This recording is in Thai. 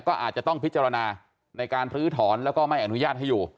ก็อาจจะต้องพิจารณาในการลื้อถอนแล้วก็ไม่อนุญาตให้อยู่